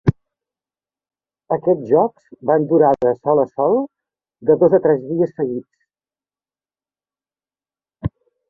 Aquests jocs van durar desol a sol de dos a tres dies seguits.